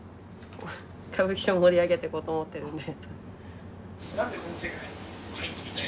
歌舞伎町を盛り上げてこうと思ってるんで。